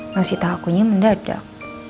nusita akunya mendadak